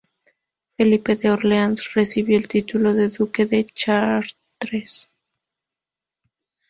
Felipe de Orleans recibió el título de duque de Chartres.